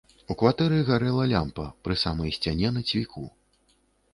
У кватэры гарэла лямпа, пры самай сцяне на цвіку.